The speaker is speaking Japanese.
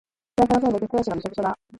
手汗のせいでテスト用紙がびしょびしょだ。